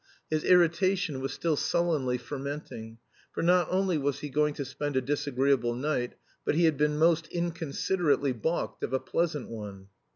His irritation was still sullenly fermenting; for not only was he going to spend a disagreeable night, but he had been most inconsiderately balked of a pleasant one.